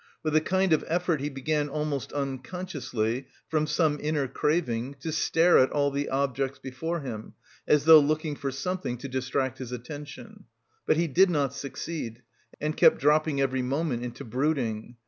With a kind of effort he began almost unconsciously, from some inner craving, to stare at all the objects before him, as though looking for something to distract his attention; but he did not succeed, and kept dropping every moment into brooding.